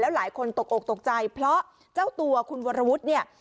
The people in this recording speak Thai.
หลายคนตกอกตกใจเพราะเจ้าตัวคุณวรวุฒิเนี่ย